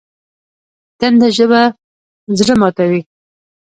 تنده ژبه زړه ماتوي